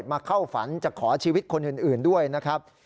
เข้าฝันจะขอชีวิตคนอื่นด้วยนะครับ